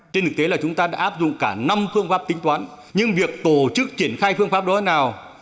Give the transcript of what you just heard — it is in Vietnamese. trên thực tế là chúng ta đã áp dụng cả năm phương pháp tính toán nhưng việc tổ chức triển khai phương pháp đó nào